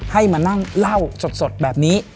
ให้มานั่งเล่าสดแบบนี้